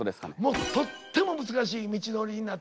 もうとっても難しい道のりになって。